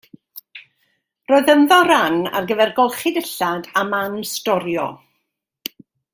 Roedd ynddo ran ar gyfer golchi dillad a man storio.